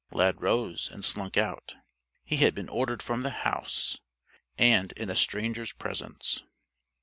Lad rose and slunk out. He had been ordered from the house, and in a stranger's presence!